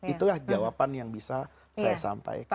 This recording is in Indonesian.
itulah jawaban yang bisa saya sampaikan